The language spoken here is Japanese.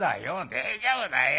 「大丈夫だよ。